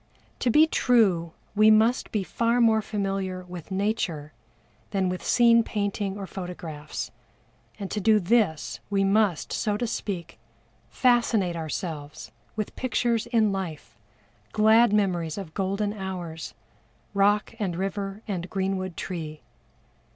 To be true we must be far more familiar with Nature than with scene painting or photographs, and to do this we must, so to speak, fascinate ourselves with pictures in life, glad memories of golden hours, rock and river and greenwood tree.